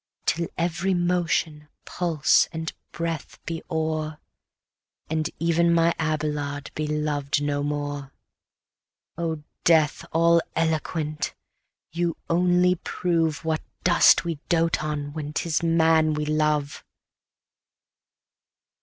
Till every motion, pulse, and breath be o'er; And even my Abelard be loved no more. O Death all eloquent! you only prove What dust we doat on when 'tis man we love.